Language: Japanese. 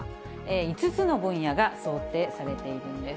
５つの分野が想定されているんです。